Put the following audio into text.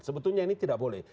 sebetulnya ini tidak boleh